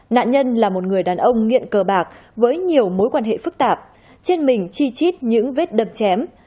nạn nhân là một người đàn ông nghiện cờ bạc với nhiều mối quan hệ phức tạp trên mình chi chít những vết đập chém